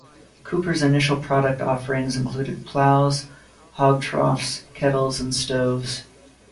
Cooper's initial product offerings included plows, hog troughs, kettles and stoves.